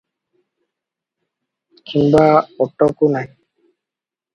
କିମ୍ବା ଅଟକୁ ନାହିଁ ।